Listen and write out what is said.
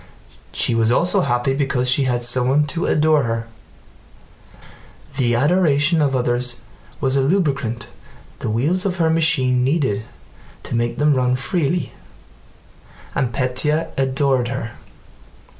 She was also happy because she had someone to adore her: the adoration of others was a lubricant the wheels of her machine needed to make them run freely—and Pétya adored her.